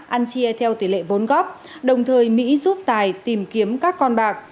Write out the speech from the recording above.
ăn chia theo tỷ lệ vốn góp đồng thời mỹ giúp tài tìm kiếm các con bạc